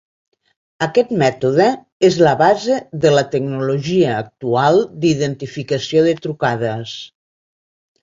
Aquest mètode és la base de la tecnologia actual d'identificació de trucades.